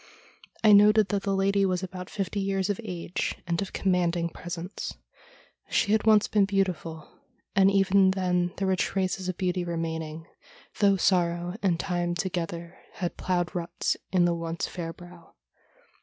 I noted that the lady was about fifty years of age, and of commanding presence. She had once been beautiful, and even then there were traces of beauty remaining, though sorrow and time together had ploughed ruts in the once fair brow.